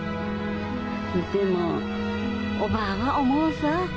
でもおばぁは思うさぁ。